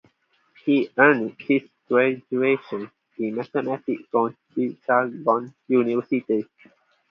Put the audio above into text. He earned his graduation in Mathematics from Chittagong University.